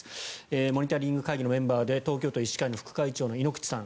モニタリングの会議のメンバーで東京都医師会の副会長の猪口さん。